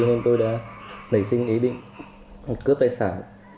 nên tôi đã nảy sinh ý định cướp tài sản